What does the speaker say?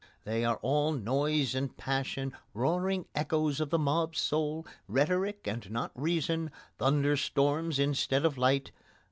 They are all noise and passion, roaring echoes of the mob soul, rhetoric and not reason, thunder storms instead of light.